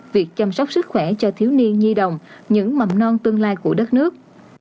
việc chăm sóc sức khỏe cho thiếu niên nhi đồng những mầm non tương lai của đất nước